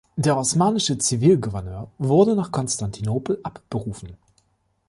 Der osmanische Zivilgouverneur wurde nach Konstantinopel abberufen.